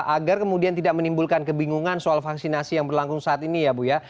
agar kemudian tidak menimbulkan kebingungan soal vaksinasi yang berlangsung saat ini ya bu ya